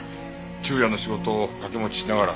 昼夜の仕事を掛け持ちしながら。